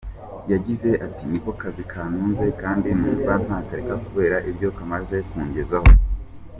Yagize ati “ Niko kazi kantunze kandi numva ntakareka kubera ibyo kamaze kungezaho.